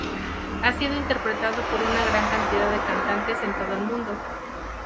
Ha sido interpretado por una gran cantidad de cantantes en todo el mundo.